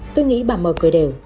tôi nghĩ bà m cười đều